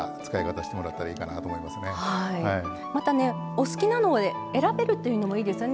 お好きなのを選べるというのもいいですよね。